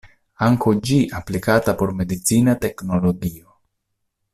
Ankaŭ ĝi aplikata por medicina teknologio.